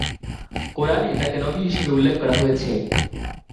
কোরআনে তাঁকে নবী হিসাবে উল্লেখ করা হয়েছে।